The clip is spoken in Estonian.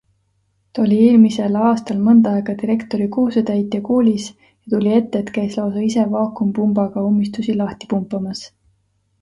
Ta oli eelmisel aastal mõnda aega direktori kohusetäitja koolis ja tuli ette, et käis lausa ise vaakumpumbaga ummistusi lahti pumpamas.